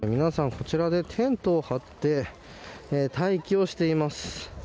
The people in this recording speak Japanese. こちらで、テントを張って待機をしています。